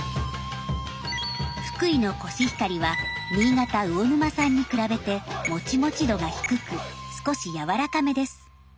福井のコシヒカリは新潟魚沼産に比べてモチモチ度が低く少しやわらかめです。